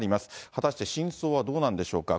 果たして真相はどうなんでしょうか。